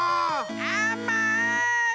あまい！